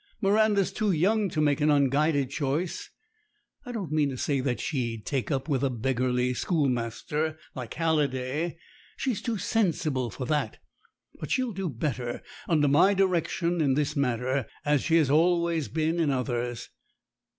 Mi randa's too young to make an unguided choice. I don't mean to say that she'd take up with a beggarly schoolmaster, like Halliday. She's too sensible for that. But she'll do better under my direction in this matter, as she has always been in others.